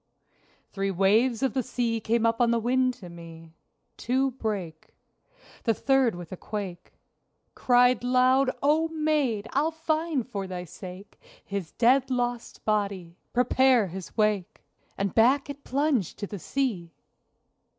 Three waves of the sea came up on the wind to me. Two brake. The third with a quake Cried loud, "O maid, I'll find for thy sake His dead lost body: prepare his wake!" (And back it plunged to the sea!)